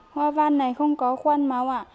hoa văn này không có khuôn máu ạ